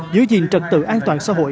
giữ gìn trận tự an toàn xã hội